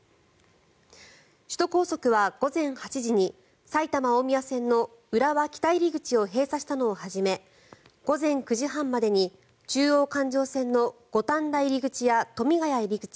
首都高速は午前８時に埼玉大宮線の浦和北入口を閉鎖したのをはじめ午前９時半までに中央環状線の五反田入口や富ヶ谷入口